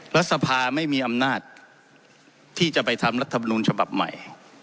รัฐสภาไม่มีอำนาจที่จะไปทำรัฐมนุนฉบับใหม่